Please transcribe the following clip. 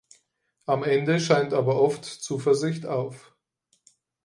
Am Ende scheint aber oft Zuversicht auf.